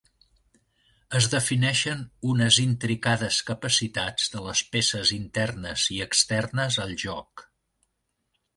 Es defineixen unes intricades capacitats de les peces internes i externes al joc.